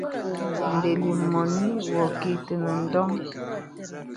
Dəklì mɔnì wɔ kì tənə ǹdɔŋ.